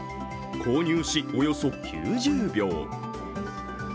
購入しおよそ９０秒。